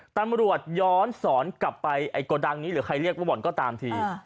ตำรวจย้อนสอนกลับไปไอ้โกดังนี้หรือใครเรียกว่าบ่อนก็ตามที